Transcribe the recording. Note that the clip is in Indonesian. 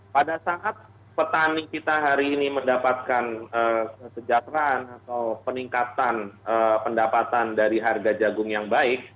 pada saat petani kita hari ini mendapatkan kesejahteraan atau peningkatan pendapatan dari harga jagung yang baik